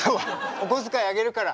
お小遣いあげるから。